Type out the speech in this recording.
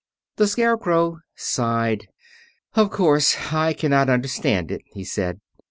The Scarecrow sighed. "Of course I cannot understand it," he said.